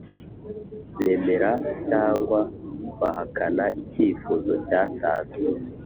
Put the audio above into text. bemera cyangwa bahakana icyifuzo cyatanzwe